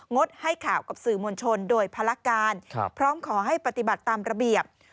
ดให้ข่าวกับสื่อมวลชนโดยภารการพร้อมขอให้ปฏิบัติตามระเบียบ